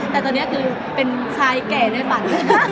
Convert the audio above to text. แต่ตอนนี้คือเป็นชายแก่ในฝัน